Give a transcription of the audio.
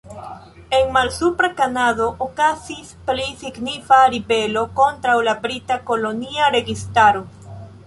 En Malsupra Kanado okazis pli signifa ribelo kontraŭ la brita kolonia registaro.